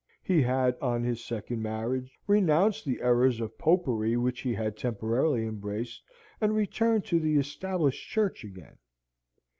He had, on his second marriage, renounced the errors of Popery which he had temporarily embraced, and returned to the Established Church again.